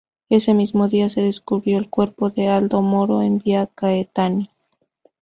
Ese mismo día se descubrió el cuerpo de Aldo Moro en Vía Caetani.